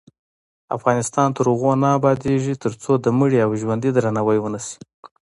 افغانستان تر هغو نه ابادیږي، ترڅو د مړي او ژوندي درناوی ونشي.